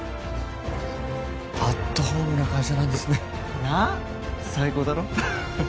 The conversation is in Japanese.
アットホームな会社なんですねなあ最高だろ？